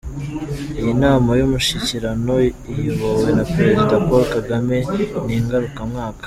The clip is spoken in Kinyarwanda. Iyi nama y'umushyikirano iyobowe na Prezida Paul Kagame ni ngarukamwaka.